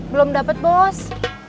belum dapat bos